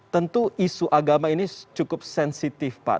tentu isu agama ini cukup sensitif pak